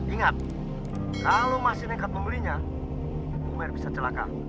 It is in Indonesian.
ingat kalau masih nekat membelinya bu mer bisa celaka